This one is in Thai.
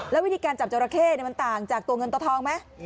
แล้ววิธีการจับจราเข้มันต่างจากตัวเงินตัวทองไหม